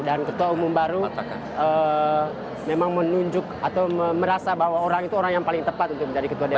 dan ketua umum baru memang menunjuk atau merasa bahwa orang itu orang yang paling tepat untuk menjadi ketua dpr